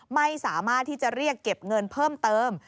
ไม่สามารถที่จะเรียกเก็บเงินเพิ่มเติม